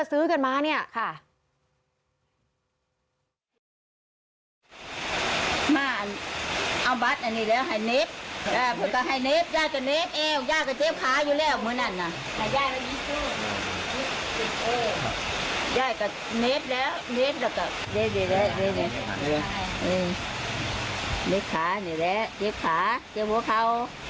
เน็บขานี่แหละเน็บขาเจอพวกเขา